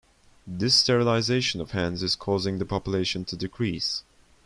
This sterilization of hens is causing the population to decrease.